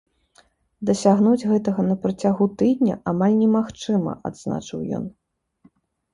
Дасягнуць гэтага на працягу тыдня амаль немагчыма, адзначыў ён.